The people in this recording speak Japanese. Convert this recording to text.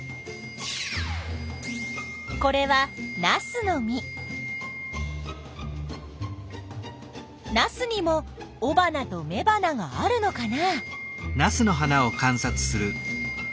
これはナスにもおばなとめばながあるのかな？